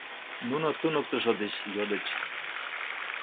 — нуно туныктышо деч йодыч.